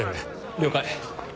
了解。